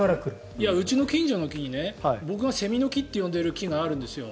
うちの近所の木に僕がセミの木って呼んでる木があるんです。